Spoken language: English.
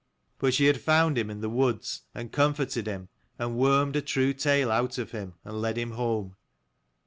But she had found him in the woods, and comforted him, and wormed a true tale out of him, and led him home.